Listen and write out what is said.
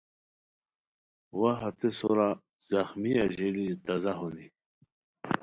و ا ہتے سور ا زخمی اژیلی تازہ بونی